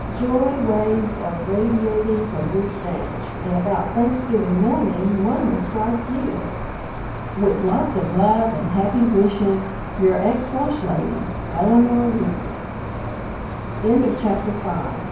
Joy waves are radiating from this ranch and about Thanksgiving morning one will strike you. With lots of love and happy wishes, Your ex Washlady, ELINORE RUPERT. VI A THANKSGIVING DAY WEDDING DEAR MRS.